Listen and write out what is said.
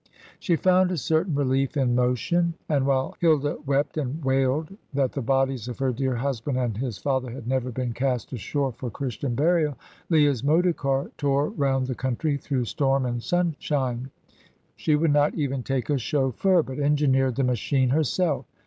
She found a certain relief in motion, and while Hilda wept and wailed that the bodies of her dear husband and his father had never been cast ashore for Christian burial, Leah's motor car tore round the country through storm and sunshine. She would not even take a chauffeur, but engineered the machine herself.